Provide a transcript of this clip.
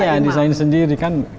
iya desain sendiri kan